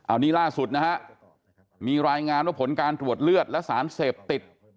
อันนี้ล่าสุดนะฮะมีรายงานว่าผลการตรวจเลือดและสารเสพติด